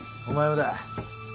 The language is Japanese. お前もだ。